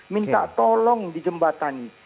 minta tolong di jembatani